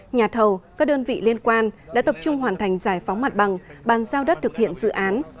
nhà thầu các đơn vị liên quan đã tập trung hoàn thành giải phóng mặt bằng bàn giao đất thực hiện dự án